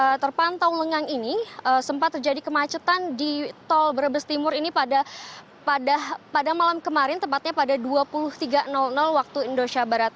yang terpantau lengang ini sempat terjadi kemacetan di tol brebes timur ini pada malam kemarin tepatnya pada dua puluh tiga waktu indonesia barat